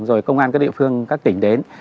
rồi công an các địa phương các tỉnh đến